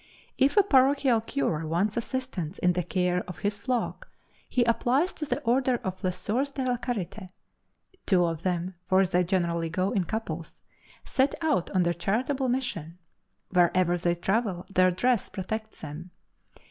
If a parochial cure wants assistance in the care of his flock he applies to the Order of Les Soeurs de la Charite. Two of them (for they generally go in couples), set out on their charitable mission; wherever they travel their dress protects them.